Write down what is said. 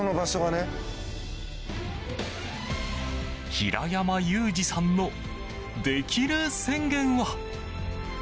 平山ユージさんのできる宣言は。